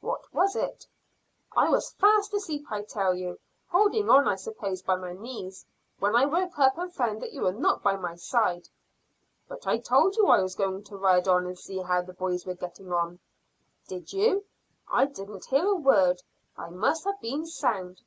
What was it?" "I was fast asleep, I tell you, holding on I suppose by my knees, when I woke up and found that you were not by my side." "But I told you I was going to ride on and see how the boys were getting on." "Did you? I didn't hear a word. I must have been sound."